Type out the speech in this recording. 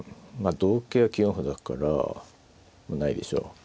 同桂は９四歩だからないでしょう。